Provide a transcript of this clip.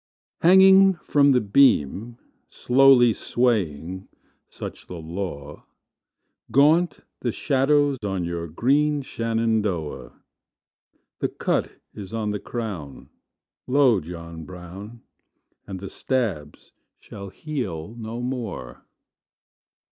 Hanging from the beam, Slowly swaying (such the law), Gaunt the shadow on your green, Shenandoah! The cut is on the crown (Lo, John Brown), And the stabs shall heal no more.